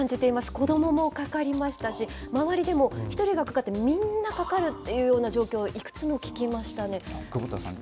子どももかかりましたし、周りでも、１人がかかって、みんなかかるっていう状況、いくつも聞きましたね。